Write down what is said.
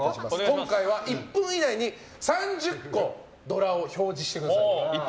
今回は１分以内に３０個、ドラを表示してください。